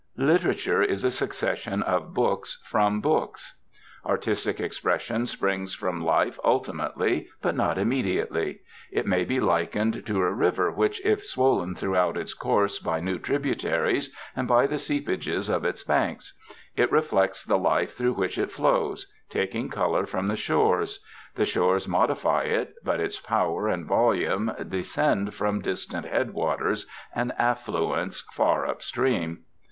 Literature is a succession of books from books. Artistic expression springs from life ultimately but not immediately. It may be likened to a river which is swollen throughout its course by new tributaries and by the seepages of its banks; it reflects the life through which it flows, taking color from the shores; the shores modify it, but its power and volume descend from distant headwaters and affluents far up stream.